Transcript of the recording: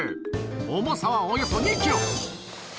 重さはおよそ２キロ。